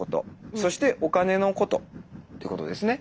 そしてお金のことってことですね。